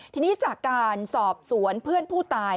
ทีนี้จากการสอบสวนเพื่อนผู้ตาย